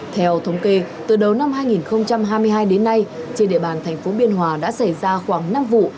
theo thống kê từ đầu năm hai nghìn hai mươi hai đến nay trên địa bàn thành phố biên hòa đã xảy ra khoảng năm vụ